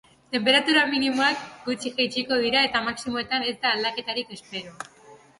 Tenperatura minimoak gutxi jaitsiko dira eta maximoetan ez da aldaketarik espero.